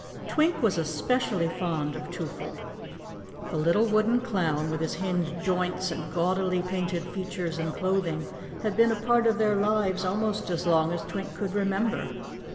Twink was especially fond of Twoffle. The little wooden clown, with his hinged joints and gaudily painted features and clothing, had been a part of their lives almost as long as Twink could remember.